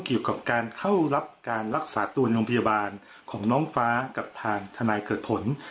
เกี่ยวกับการเข้ารับการรักษาตัวในโรงพยาบาลของน้องฟ้ากับทางทนายเกิดผล